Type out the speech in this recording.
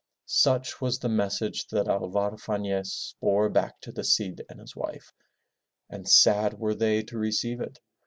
Such was the message that Alvar Faiiez bore back to the Cid and his wife. And sad were they to receive it.